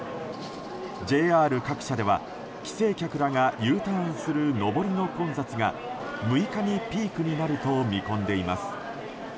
ＪＲ各社では、帰省客らがＵターンする上りの混雑が６日にピークになると見込んでいます。